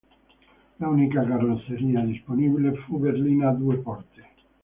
L'unica carrozzeria disponibile fu berlina due porte.